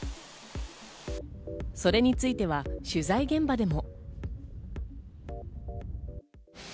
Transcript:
それについては取材現場でも。